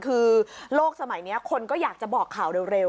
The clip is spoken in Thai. คือโลกสมัยนี้คนก็อยากจะบอกข่าวเร็ว